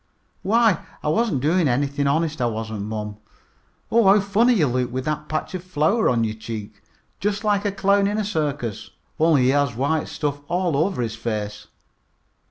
"Why, I wasn't doing anything, honest I wasn't, mom. Oh, how funny you look with that patch of flour on your cheek! Just like a clown in a circus, only he has white stuff all over his face."